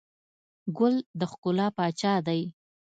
ګل د ښکلا پاچا دی.